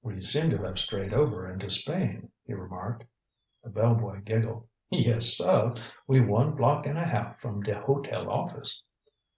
"We seem to have strayed over into Spain," he remarked. The bell boy giggled. "Yes, suh. We one block and a half from de hotel office."